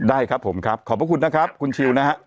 ได้ครับผมครับขอบพระคุณนะครับคุณชิวนะฮะ